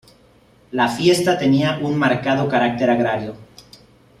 La fiesta tenía un marcado carácter agrario.